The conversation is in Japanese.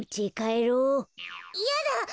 いやだ！